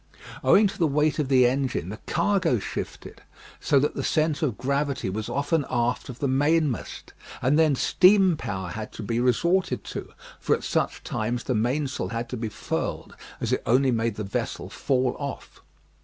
Owing to the weight of the engine, the cargo shifted, so that the centre of gravity was often aft of the mainmast, and then steam power had to be resorted to, for at such times the mainsail had to be furled as it only made the vessel fall off.